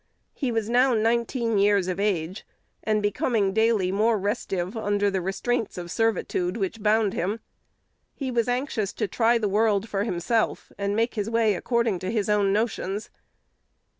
He was now nineteen years of age, and becoming daily more restive under the restraints of servitude which bound him. He was anxious to try the world for himself, and make his way according to his own notions.